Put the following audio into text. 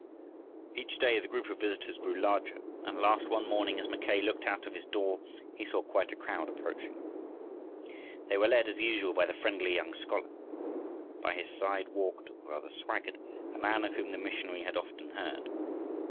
Each day the group of visitors grew larger, and at last one morning, as Mackay looked out of his door, he saw quite a crowd approaching. They were led, as usual, by the friendly young scholar. By his side walked, or rather, swaggered a man of whom the missionary had often heard.